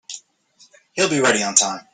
He'll be ready on time.